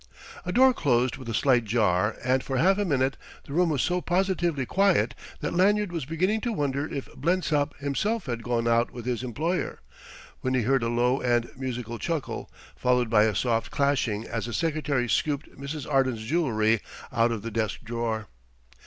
A door closed with a slight jar, and for half a minute the room was so positively quiet that Lanyard was beginning to wonder if Blensop himself had gone out with his employer, when he heard a low and musical chuckle, followed by a soft clashing as the secretary scooped Mrs. Arden's jewellery out of the desk drawer.